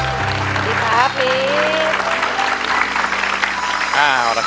สวัสดีครับลิฟต์